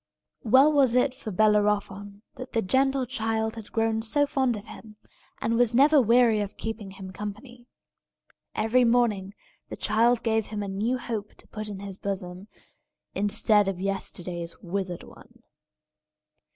Well was it for Bellerophon that the gentle child had grown so fond of him, and was never weary of keeping him company. Every morning the child gave him a new hope to put in his bosom, instead of yesterday's withered one.